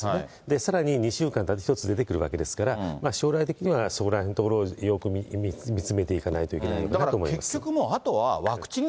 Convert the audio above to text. さらに２週間たつと１つ出てくるわけですから、将来的にはそこらへんのところ、よく見つめていかないといけないなと思います。